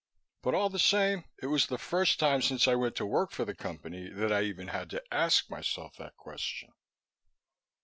But all the same, it was the first time since I went to work for the Company that I had even had to ask myself that question.